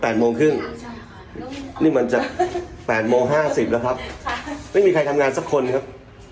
โมงครึ่งใช่นี่มันจะแปดโมงห้าสิบแล้วครับค่ะไม่มีใครทำงานสักคนครับ